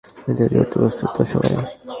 ইতিহাস গড়তে প্রস্তুত তো সবাই?